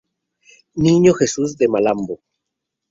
Niño Jesus de Malambo.